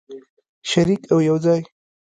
شریک او یوځای.